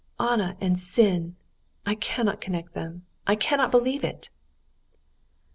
"Anna and sin—I cannot connect them, I cannot believe it!"